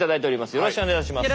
よろしくお願いします。